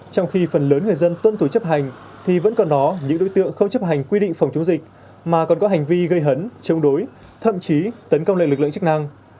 trong khi phần lớn người dân tuân thủ chấp hành thì vẫn còn đó những đối tượng không chấp hành quy định phòng chống dịch mà còn có hành vi gây hấn chống đối thậm chí tấn công lại lực lượng chức năng